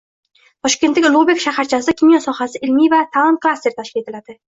Toshkentdagi Ulug‘bek shaharchasida kimyo sohasida ilmiy va ta’lim klasteri tashkil etiladi.